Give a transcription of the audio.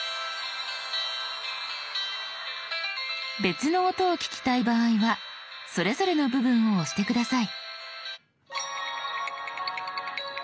別の音を聞きたい場合はそれぞれの部分を押して下さい。」）」）